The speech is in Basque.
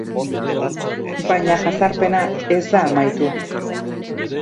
Baina jazarpena ez da amaitu.